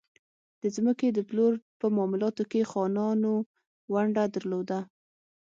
د ځمکو د پلور په معاملاتو کې خانانو ونډه درلوده.